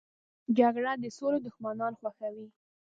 جګړه د سولې دښمنان خوښوي